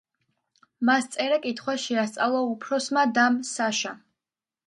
მას წერა-კითხვა შეასწავლა უფროსმა დამ საშამ.